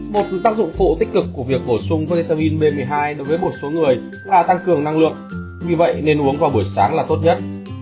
một tác dụng phụ tích cực của việc bổ sung vitamin b một mươi hai đối với một số người là tăng cường năng lượng vì vậy nên uống vào buổi sáng là tốt nhất